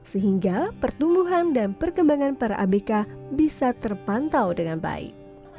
sehingga pertumbuhan dan perkembangan para abk bisa terpantau dengan baik